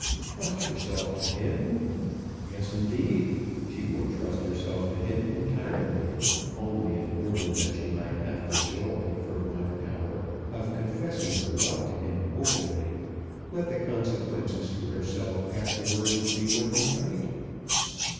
Trust herself to him! Yes, indeed. She would trust herself to him entirely, only in order that she might have the joy, for one hour, of confessing her love to him openly, let the consequences to herself afterwards be what they might!